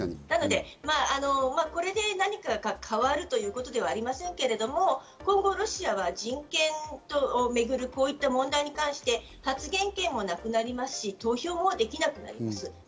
なので、これで何かが変わるということではありませんけど、今後ロシアは人権等をめぐる、こういった問題に関して、発言権もなくなりますし、投票もできなくなります。